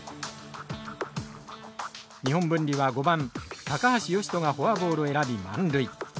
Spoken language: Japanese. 日本文理は５番高橋義人がフォアボールを選び満塁。